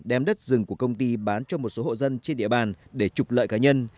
đem đất rừng của công ty bán cho một số hộ dân trên địa bàn để trục lợi cá nhân